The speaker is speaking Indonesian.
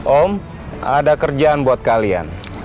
om ada kerjaan buat kalian